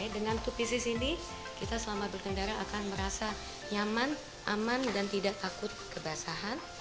dengan dua bisnis ini kita selama berkendara akan merasa nyaman aman dan tidak takut kebasahan